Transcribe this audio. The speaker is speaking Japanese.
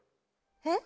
えっ？